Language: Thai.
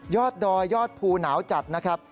ยอดดอยยอดภูหนาวจัดนะครับ